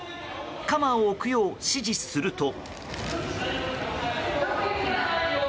鎌を置くよう指示すると。